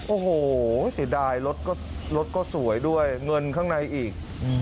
โอ้โหเสียดายรถก็สวยด้วยเงินข้างในอีก